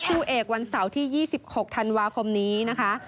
คู่เอกวันเสาร์ที่๒๖ธันวาคมนี้นะคะ